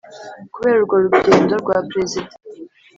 kubera urwo rugendo rwa perezida